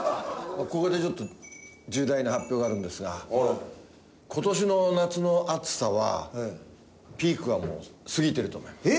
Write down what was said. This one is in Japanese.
ここでちょっと重大な発表があるんですが今年の夏の暑さはピークはもう過ぎてると思います。